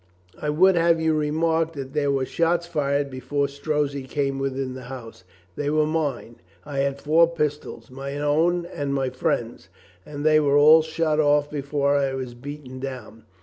I would have you remark there were shots fired before Strozzi came within the house. They were mine. I had four pistols, my own and my friend's, and they were all shot off before I was beaten down.